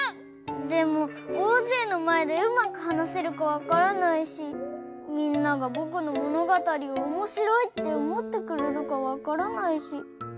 でもおおぜいのまえでうまくはなせるかわからないしみんながぼくのものがたりをおもしろいっておもってくれるかわからないし。